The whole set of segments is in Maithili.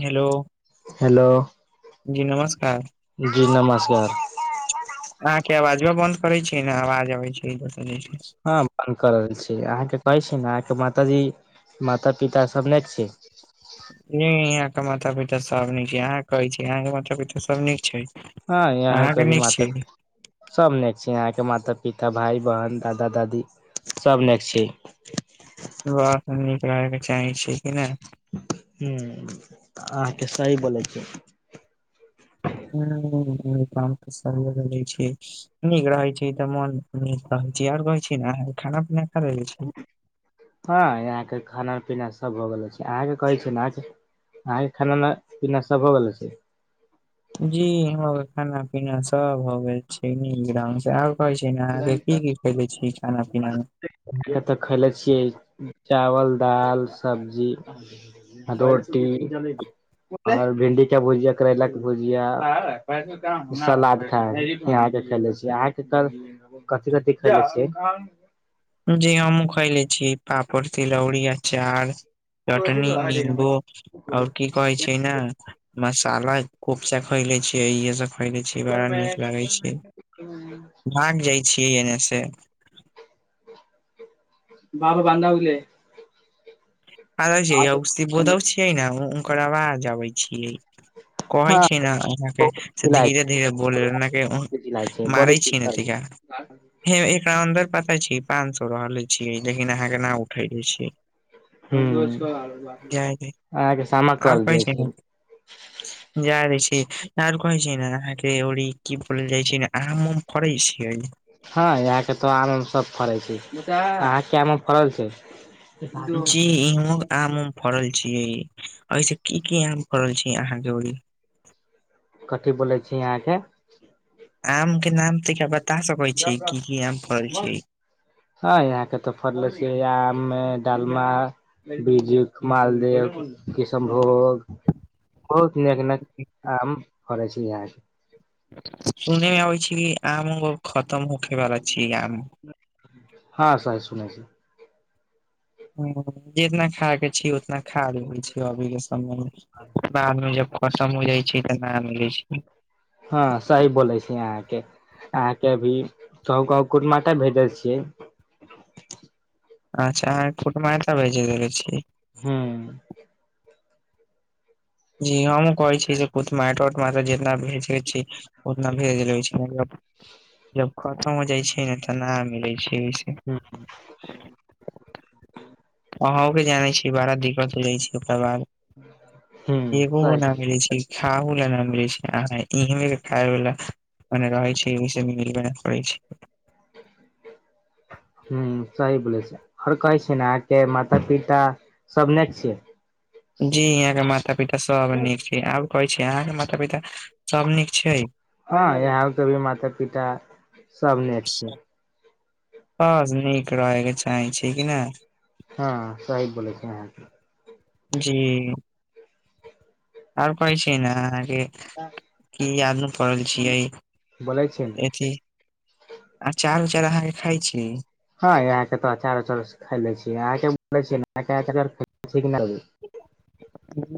Hello hello. जी नमस्कार। जी नमस्कार। अहाँकेँ आवाजो बन्द करै छिय ने आवाज आबै छैर छै। ह बन्द कर रहल छी अहाँकेँ कहै छी ने अहाँकेँ माताजी माता पिता सभने छै। यहा के माता पिता सभ नीक छै यहा कहै छी यहा के माता पिता सभ नीक छै। ह यह अहाँके कभी नीक मात छै सभनेक छी यहाँकेँ माता पिता भाय बहन दादा दादी सभ नेक छी नीक रहै के चाहे छी कि नहि ह अहाँकेँ सी बोलै छी काम तऽ स रहै छै। नीक रहैत छै तऽ मोन नीक रहै छै आर रहै छी ने खाना पीना खाै छी। हँ यहाँ के खाना पीना सभ हो गेलो छै अहाँकेँ कहै छै नेके। अहके खाना पीना सभ हो गेलो छै। जी यहाँ केँ खाना पीना सभ होव गेल छै नीक ढंग से आब। कहै छै ने अहाँकेँ कि कि खै। छी खाना पीना मे। हम तऽ खयले छियै चावल दाल सब्जी। रोटी। आओर भिन्डी का भुजिया करैला कऽ भुजिया सलाद खाय। यके खेले छी आके कल कथि कथि खेले छिय। जी हमहुँ खयले छी पापड़ तिलौरी अचार। चटनी निम्बू ओर कि कहै छै ने। मसाला कफचा खैले छियै इे सभ फैदे छी बड़ा नीक लागे छै भाग जाई छियै एने से। बाबा बान उ गेलै। बोदल छियै ने ओनकर आवाज अबै छियै। कहै हँ छी ने अना के से धीरे धीरे नाक। जिला छै बड़ी मारे छैय पिसाइ नेतिका। हे एकरा अन्दर पता छी पाँच सए रहले छी लेकिन अहाँकेँ न उठेले छी। हुँ जाय दे साम करल द छै। जा द छीर कहै छी ने अहाँकेँ ओ ई कि ब जाइ छी ने हमम करै छी ओहि। हँ यहाँके तो आम मे सब फड़े छै अहाँके आम फड़ल छै। जी आम उम फड़ल छीियै ऐसे कि कि आम फड़ल छी अहाँकेँ उड़ी। कथी बोलै छी यहाँकेँ आम के नाम त बता सकैत छी कि कि आम फल छै। हँ यहाँ के तऽ फड़ले छ आम मे डालमा। बीज कऽ मालदीप किशनभोग। बहुत नाक नाक आम फड़ै छै यहा के। सुनेमे होई छी आम खतम होखबार छी आम। ह सही सुने छी। जितना खाय के छी उतना खा दे छै अभी के समय बाद मे जब। कसम जाई छै तऽ नहि मिलै छै। हँ सही बोलै छी अहाँकेँ। अहाँकेँ अभी कहू कहू कुट म भेजल छियै। अच्छा अहाँ कुट मारा भेज देल छी। हू। जी हँ हमु कहै छी से कुट मार्टट म जितना भेज छी उतना भेज ले छी ख़तम हो जई छै ने तऽ न मिलै छै। [unintelligible] अहूं के जानै छीै बड़ा दिक्कत लौ छै ओकर बाद। हूँ एगो व न सही मिलै छै। खाहुला न मिले छी अहा इमका खाायवला। ओने रहै छै एहि सब मिलबे नई कराई छै। [inaudible] ह सही बोलै छै आओर कहै छ ने अहाँके माता पिता सबने छियै। जी यहाँ के माता पिता सब नीक छै आब कहै छी अहाँ के माता पिता सब नीक छै हँ यहा भी माता पिता सब निक छै ह नीक रहे के चाहे छै कि नय हँ सहि बोले छै अहा के जी आओर कहै छी ने अहाँके की आानू पड़ल छियै बोलै छियै ने अथी आचार उचार अहाँके खाइ छी हँ यहाँ के त अचारचार खे छी य [unintelligible]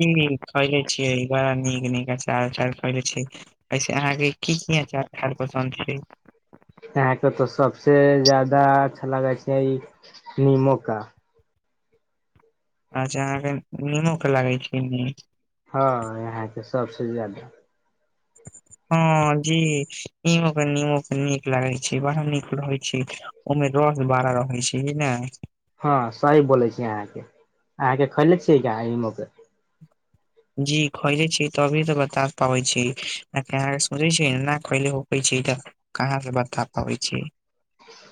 जी खैले छियै बड़ा नीक नीक आचारचार उचार खैले छी ऐसे अहाँके की कि अचार पसन्द छै यहां के तो सबसे जदा अच्छा लागे छै नीमू का अच्छा अहाँके नमु के लागै छै निक हँ यहाँके सबसे जदाा [inaudible] हँ जी निमु नीमू नीक लागै छै बड़ नीक रहै छै ओमे रस बड़ा रहै छै ने हँ सही बोले छी अहाँके अहाँके खैले छियै के नीमू के जी खैले छी तभी तऽ बता पाबै छैोचे छै ना खले होै छै कहाँ से बता पाबै छी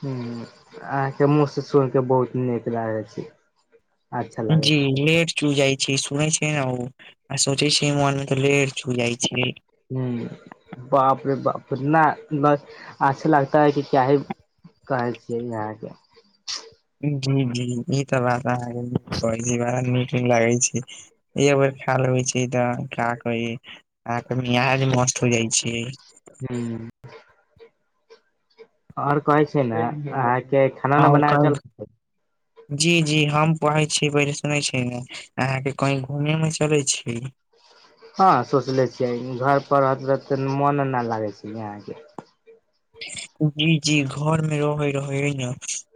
ह अहाँके मुहसँ सुन के बहुत नीक लागै छी जी लेट चू जाइ छै सुनै छै ने ओ आ सोचे छै मन मे तऽ लेर चू जाइ छै ह बाप रे ना ना अच्छा लगता है कि क्या ह कहै छियै यहाँके जी जी ई तऽ बात अहाँकेजी ब नीक लागे छै एक बैर खा लगे छै तऽ के आ के मिियज मस्त हो जाय छै हू आओर कहै छै ने अह आ ओ जी जी हम कहे छीयै सुनै छी ने अहाँके कही घूमे मे चलै छी की हँ सोचले छियै घर पर रहत रह मोन नहि लागै छै यहके जी जी घर मे रहे रहै ह ने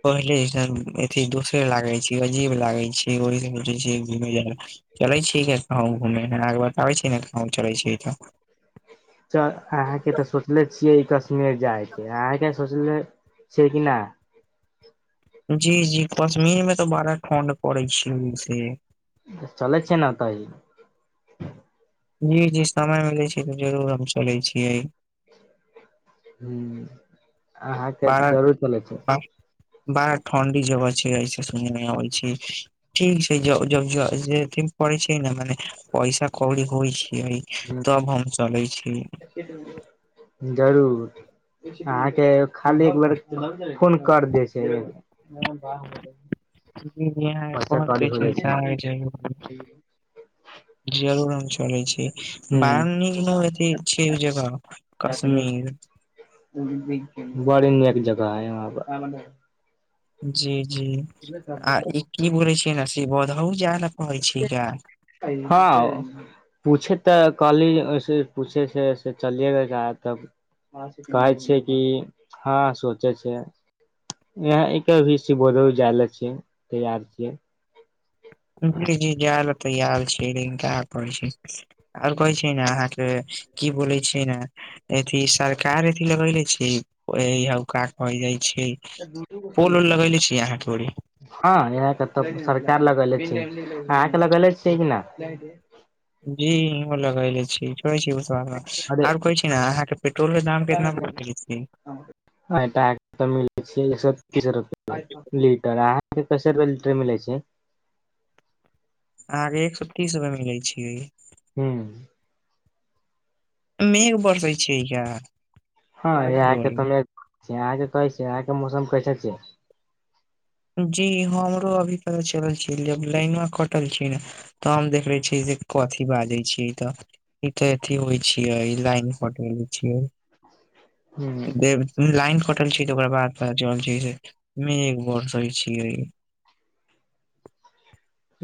पहिले अ दोसर लागे छै अजीब लागे छै ओहि घुय चलै छी कह घूमे बताबै छी कहँ चलै छी तऽ च अहाँके तऽ सोचले छियै ई कश्मीर जायके अहाँके सोचल छिए कि न जी जी कश्मीर में तऽ बड़ा ठणड पड़े छै ओहिसे चल छै ने ओतइ जी जी समय मिलै छै तऽ जरूर हम चलै छियै हूँ बड़ा बड़ा ठणडी जगह छै ऐस सुनेइमें आबै छै ठीक छै ज जब जद पढ़ै छ ने म पैसा कौड़ी होइ छी अए ह तब हम चलै छी जरूर अहाँके खाली एक बेर फोन कर दे छै [inaudible] पैसा कौड़ी हो जाइ छै [inaudible] जरूर हम छो चले छी ह बार नीक छी ओ जगह काश्मीर [inaudible] बरी नीक जगह अहा क जी जी आ ई की बोलै छिय ने से बौधउ जाय ल पड़ै छै गा हँ पूछे तऽ कहली पूछे सेऐ चलिये तब कहै छै कि हँ सोचै छै यहाँ एकभी सिवोद जाय ले छियै तैयार छियै ी जा ल तैयार छी कहै छै आर कहै छै ने अहाँ से की बोलै छै ने अथी सरकार अथी लगैले छै हउ का कहल जाय छै पोल उल लगेले छी अहाँ केे हँ इहके त सरकार लगेले छै अहके लगेले छियै कि ना जी यूहो लगायले छी [unintelligible] अरे आर कहै छी ने अहाँके पेट्रोल के दाम कितना बढ़ गेले आ तऽ मिलै छै एक सए तीस रुपआ लीटर अहाँके कसे रुपआ लीटर मिलै छै अहाँके एक सए तीस रुपय मिलै छै हूँ मेघ बरसै छिय का हँ अहाँके ओरी [unintelligible] छ अहाँके मौसम कैसे छै जी हमरो अभी त चलल छी लाइन मे कटल छी ने तऽ हम देख रहे छियै जे कथी बाजै छियै तऽ ई त अथी होइ छियै लाइन कटेले छियै हूँ लाइन कटल छी तऽ ओकरा बाद पता चलछै की मेघ बरसल सै छिय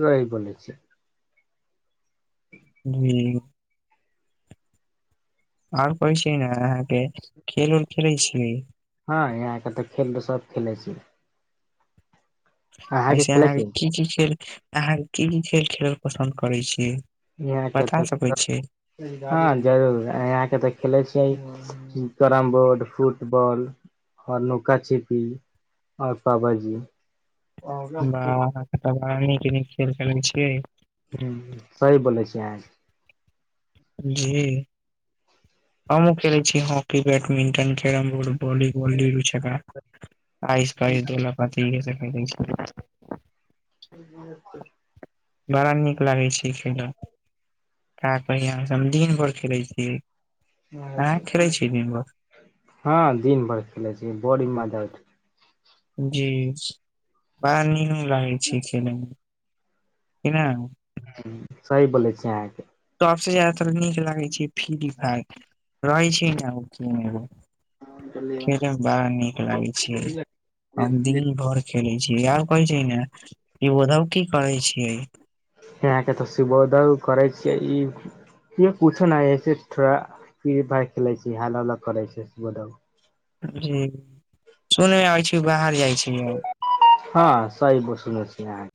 सही बोले छिए हू आउर कहइ छिय न अहाँके खेल उल खेलै छी हँ यहाँके तऽ खेल सब खेले छी के ऐसे खेले अहाँ छी की की खेल अहाँके की की खेल खेलल पसन्द करै छियै यहाँ के बता तऽ सकै छीय हँ जरूर यहाँके तऽ खेले छियै कैरम बोर्ड फुटबॉल हर नुका छिपी आओ पाबाजी बाह अहाँके तऽ बड़ा नीक नीक खेल खेलै छियै हुँ सही बोलै छी अहाँ जी हमहुँ खेलै छी हॉकी बैडमिंटन कैरम बोर्ड बोली गोली छका आइस पइस दोला पति [inaudible] बड़ा नीक लागै छै खेला का कही अहाँ से हम दिन भर खेलै छियै अहाँ खेलै छियै दिन भर हँ दिन भरि खेलै छी बड़ी मजा छै, जी बड़ा नीमन लागै छै खेले मे केना हँ सही बोलै छै अहाँके सबसे ज्यादातर नीक लागै छै फ्री फायर रहै छै ने ओ तीन गो खेलै मे बड़ा नीक लागै छियै आ दिन भर खेलै छीयै आओर कहै छियै न ई ओधव की करै छियै अहाँके तऽ सुभोदय करै छियै ई इहाँ कुछो नय थोड़ा फ्री फायर खेलै छी हाला उला करै छै सुबोधै जी सुने मे आबै छी बाहर जाइ छी हँ सही ब सुनै छी अहाँ।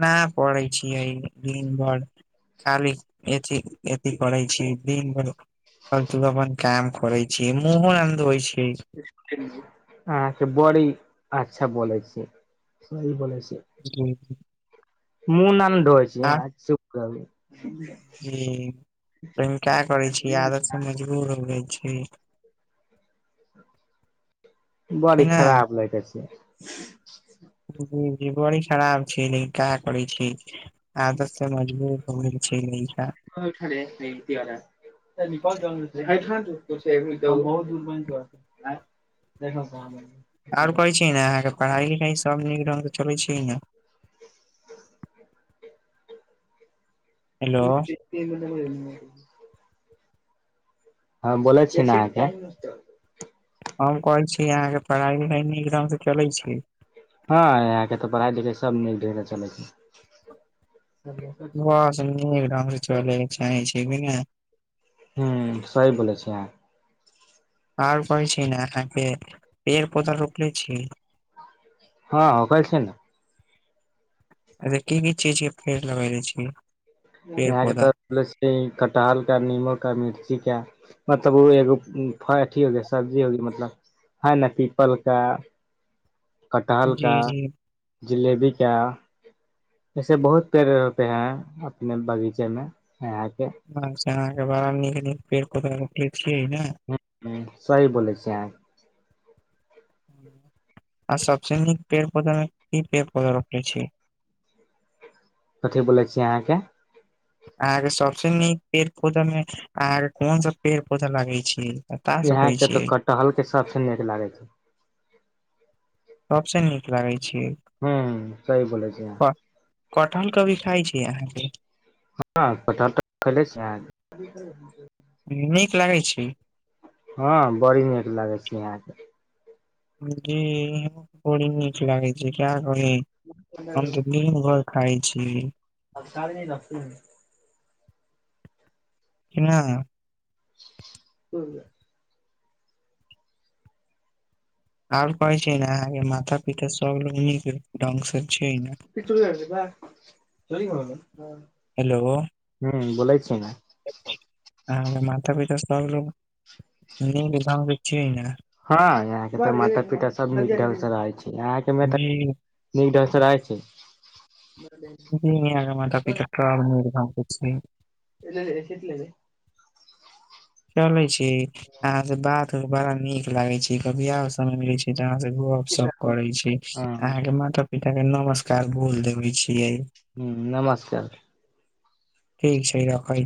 ना पढ़ै छियै दिन भरि। खाली अथी अथी करै छियै दिन भरि। आ तू अपन काम करै छियै मुहो न धोइ छियै अहाँके बड़ी अच्छा बोलै छियै सही बोलै छियै जी मुंह ना न धोय छियै आ आशुक कभी जी का करै छी आदत से मजबूर हो जाइ छै। कि बड़ी ने खराब लगै छै। जी जी बड़ी खराब छै लेकिन का करै छी। आदत तऽ मजबूर हो गेल छै लैका ठे [unintelligible] तिवला। तऽ निकल जल्दी सेबहुत दूर। देखब शाम मे आओर कहै छियै न अहाँके पढ़ाइ लिखाइ सभ नीक ढंग से चलैत छै ने। हेलो [unintelligible] हँ बोलै छी ने अहाँ के। हम कहै छी अहाँ के पढ़ाइ लिखाइ नीक ढंग से चलै छी। हँ यहाँ के तऽ पढ़ाइ लिखाइ सब नीक डे मे चलै छै। बस नीक ढंग से चलैके चाही छै कि न। हूँ सही बोलै छियै अहाँ। आओर कहै छी न अहाँके पेड़ पौधा रोपले छी। हँँ होखैल छै ने। अरे की की चीज के पेड़ लगैले छियै। यहाँ के तऽ कटहल का नीबू का मिर्ची का। मतलब ओ एगोफ अथीयो के मतलब सब्जीयो के मतलब है न पीपल का। कटहल का जी जी जिलेबीका। ऐसे बहुत पेड़ रोपे हैं अपने बगीचे में यहााँ पे। अ अहाँके बड़ा नीक नीक पेड़ पौधा रखले छियै ने। हू सही बोलै छी अहाँ। आ सबसे नीक पेड़ पौधा मे की पेड़ पौधा रोपले छी। कथी बोलै छीियै अहाँके। अहाँ के सबस नीक पेड़ पौधा में अहा के कोन सब पेड़ पौधा लगे छिए यहां के तो कटहल के सबस नीक लागे छै। सबसँ नीक लागै छै। हू सही बोले छिये आहाँ कटहल कभी खाइ छै अहाँके। हँ कटहत तऽ खले छिय। नीक लागै छै। हँ बड़ी नीक लगे छी यहााँ के। जी बड़ी नीक लागे छै का कहि हम तऽ दिन भर खाइ छी। आब [unintelligible] नहि। हु। आओर कहै छै ने अाँे माता पिता सब लोक निक ढंग सऽ छै ने। [unintelligible] हेलो। हूँ बोलै छी ने आहाँ माता पिता सब लोग निक ढंग सऽ सिये नऽ हँ यहाँके तऽ माता पिता सब नीक ढंग से रहै छै यहाँके मे तऽ। जी नीक ढंग्गसँ रहय छै। आगे माता पिता त निधर कर छी। [unintelligible] चले छै अह से बात बड़ा नीक लागे छै कभिय समय मिल छै। तहाँ से गप सप करे छै हँ अहां के माता पिता के नमस्कार बोल देवे छीिये। हू नमस्कार। ठीक छै रखै।